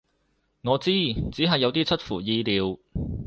我知，只係有啲出乎意料